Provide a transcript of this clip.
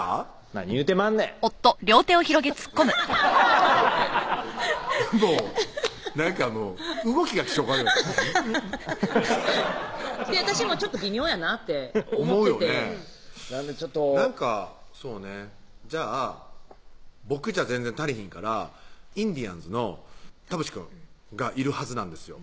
何言うてまんねんちょっとなんかもう動きが気色悪いわ私もちょっと微妙やなって思っててなんでちょっとなんかそうねじゃあ僕じゃ全然足りひんからインディアンスの田渕くんがいるはずなんですよ